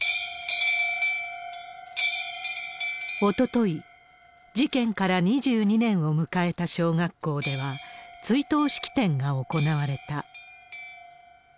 おととい、事件から２２年を迎えた小学校では、追悼式典が行われた。